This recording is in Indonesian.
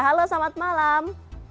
halo selamat malam